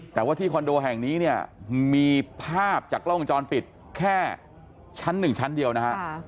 แต่ว่าที่คอนโดแห่งนี้เนี่ยมีภาพจากกล้องวงจรปิดแค่ชั้นหนึ่งชั้นเดียวนะฮะ